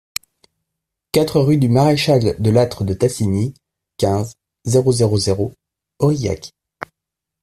quatre rue du Maréchal De Lattre De Tassigny, quinze, zéro zéro zéro, Aurillac